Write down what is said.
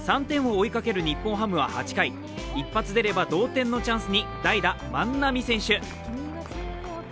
３点を追いかける日本ハムは８回、一発出れば同点のチャンスに代打・万波選手。